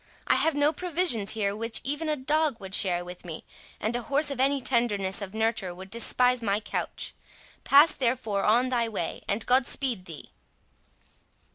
I have no provisions here which even a dog would share with me, and a horse of any tenderness of nurture would despise my couch—pass therefore on thy way, and God speed thee."